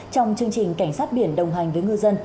trong chương trình cảnh sát biển đồng hành với ngư dân